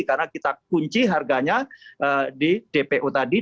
karena kita kunci harganya di dpo tadi